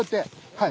はい。